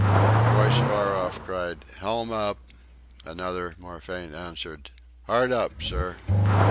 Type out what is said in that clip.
A voice far off cried, "Helm up!" another, more faint, answered, "Hard up, sir!"